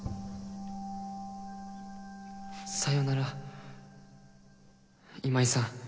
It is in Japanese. さよなら今井さん。